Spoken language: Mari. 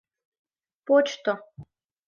— Почто!